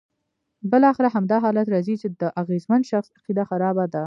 بالاخره همدا حالت راځي چې د اغېزمن شخص عقیده خرابه ده.